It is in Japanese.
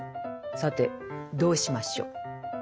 さてどうしましょう。